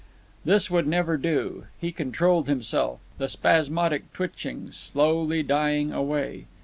This would never do. He controlled himself, the spasmodic twitchings slowly dying away.